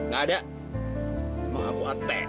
gak ada emang aku atm